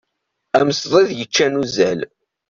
Am ṣdid yeččan uzzal.